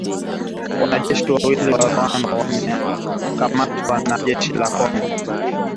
Wanajeshi wawili wa Rwanda wamekamatwa na jeshi la Kongo